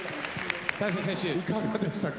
大勢選手いかがでしたか？